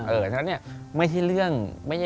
เพราะฉะนั้นเนี่ยไม่ใช่เรื่อง